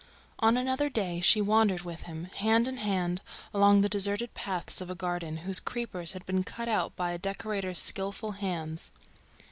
On another day, she wandered with him, hand in, hand, along the deserted paths of a garden whose creepers had been cut out by a decorator's skilful hands.